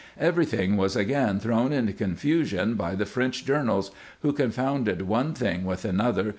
Every thing was again thrown into confusion by the French journals, who confounded one thing with another?